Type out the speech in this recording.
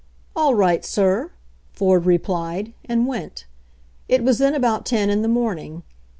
"All right, sir/' Ford replied, and went. It was then about ten in the morning.